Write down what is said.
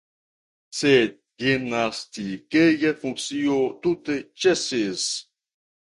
Sed gimnastikeja funkcio tute ĉesis.